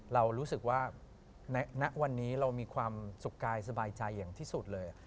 เรารู้สึกว่าณวันนี้เรามีความสุขกายสบายใจอย่างที่สุดเลย